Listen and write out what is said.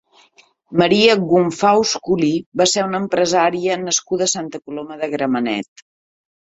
Maria Gumfaus Culi va ser una empresària nascuda a Santa Coloma de Gramenet.